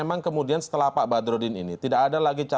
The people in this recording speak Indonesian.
dan kepolis sebenarnya tidak ada yang ada